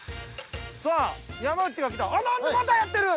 さあ山内がきた。